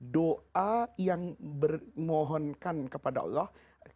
doa yang bermohonkan kepada allah